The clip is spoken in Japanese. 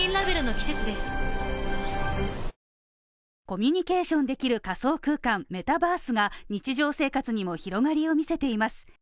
コミュニケーションできる仮想空間メタバースが日常生活にも広がりを見せています。